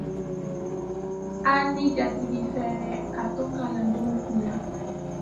ani jatisigifɛɛrɛ ka to kalandenw kuun na;